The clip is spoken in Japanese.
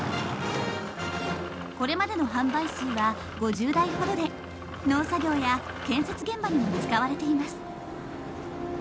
これまでの販売数は５０台ほどで農作業や建設現場にも使われています。